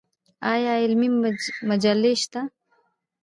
آیا علمي مجلې شته؟